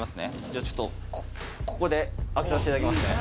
じゃあちょっとここで開けさせていただきますね